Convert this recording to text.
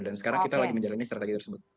dan sekarang kita lagi menjalani strategi tersebut